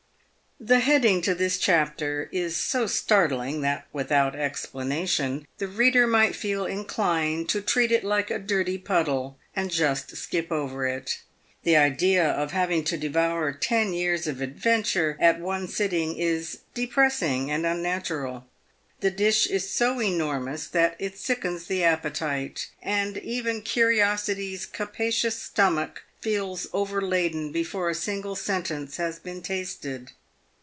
The heading to this chapter is so startling that, without explanation, the reader might feel inclined to treat it like a dirty puddle, and just skip over it. The idea of having to devour ten years of adventure at one sitting is depressing and unnatural. The dish*is so enormous that it sickens the appetite, and even curiosity's capacious stomach feels overladen before a single sentence has been tasted.